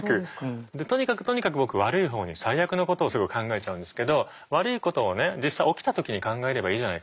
でとにかくとにかく僕悪いほうに最悪なことをすぐ考えちゃうんですけど悪いことをね実際起きた時に考えればいいじゃないかと。